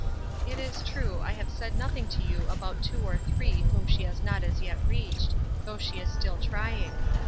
It is true, I have said nothing to you about two or three whom she has not as yet reached, though she is still trying.